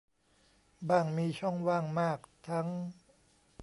บ้างมีช่องว่างมากทั้ง